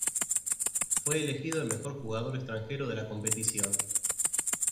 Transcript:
Fue elegido mejor jugador extranjero de la competición.